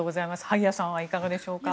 萩谷さんはいかがでしょうか？